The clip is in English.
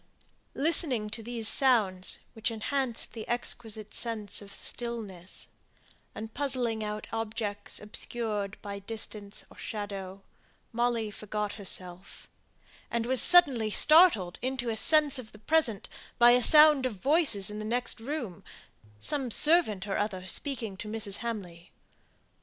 Listening to these sounds, which enhanced the exquisite sense of stillness, and puzzling out objects obscured by distance or shadow, Molly forgot herself, and was suddenly startled into a sense of the present by a sound of voices in the next room some servant or other speaking to Mrs. Hamley.